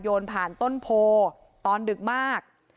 โยนผ่านต้นโพตอนดึกมาก